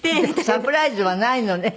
サプライズはないのね？